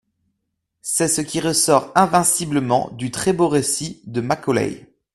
C'est ce qui ressort invinciblement du très-beau récit de Macaulay.